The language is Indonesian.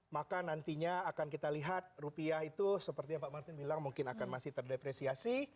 maka nantinya akan kita lihat rupiah itu seperti yang pak martin bilang mungkin akan masih terdepresiasi